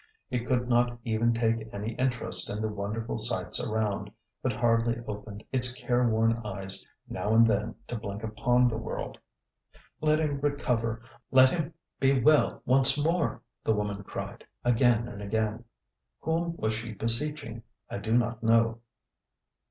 It could not even take any interest in the wonderful sights around, but hardly opened its careworn eyes now and then to blink upon the world. 'Let him recover, let him be well once more!' the woman cried, again and again. Whom was she beseeching? I do not know.